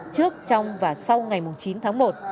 trước trong và sau ngày chín tháng một